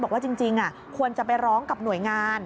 บอกว่าจริงควรจะไปร้องกับหน่วยงาน